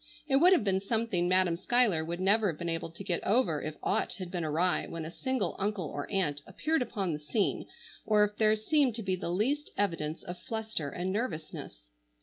It would have been something Madam Schuyler would never have been able to get over if aught had been awry when a single uncle or aunt appeared upon the scene, or if there seemed to be the least evidence of fluster and nervousness.